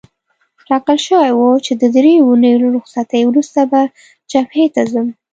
ټاکل شوې وه چې د دریو اونیو له رخصتۍ وروسته به جبهې ته ځم.